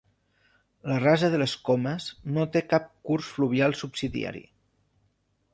La Rasa de les Comes no té cap curs fluvial subsidiari.